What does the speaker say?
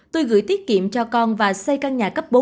tôi gửi tiết kiệm cho con và xây căn nhà cấp bốn